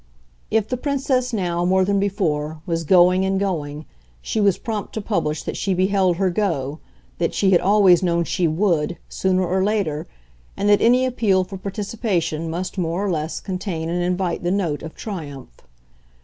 If the Princess now, more than before, was going and going, she was prompt to publish that she beheld her go, that she had always known she WOULD, sooner or later, and that any appeal for participation must more or less contain and invite the note of triumph.